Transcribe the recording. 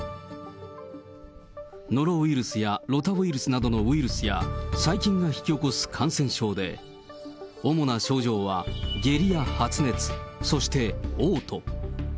ノロウイルスやロタウイルスなどのウイルスや、細菌が引き起こす感染症で、主な症状は下痢や発熱、そしておう吐。